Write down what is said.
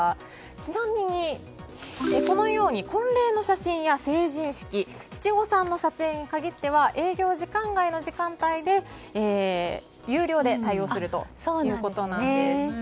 ちなみに、婚礼の写真や成人式、七五三の撮影に限っては営業時間外の時間帯で有料で対応するということなんです。